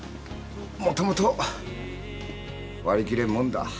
もともと割り切れんもんだ。